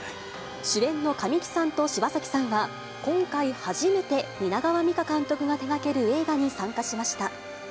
主演の神木さんと柴咲さんは、今回初めて蜷川実花監督が手がける映画に参加しました。